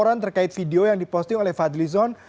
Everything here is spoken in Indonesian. apakah itu terkait dengan video yang diposting oleh fadli zon